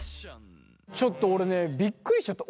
ちょっと俺ねびっくりしちゃった。